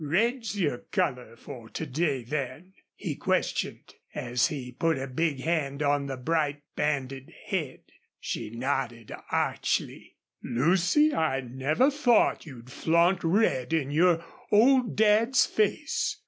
"Red's your color for to day, then?" he questioned, as he put a big hand on the bright banded head. She nodded archly. "Lucy, I never thought you'd flaunt red in your old Dad's face.